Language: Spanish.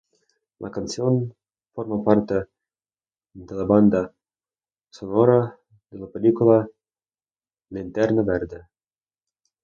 La canción forma parte de la banda sonora de la película "Linterna Verde".